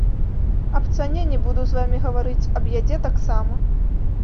Аб цане не буду з вамі гаварыць, аб ядзе таксама.